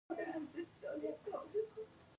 د پیتالوژي علم د ناروغیو نومونه ورکوي.